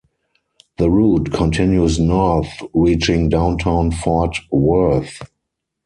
The route continues north, reaching downtown Fort Worth.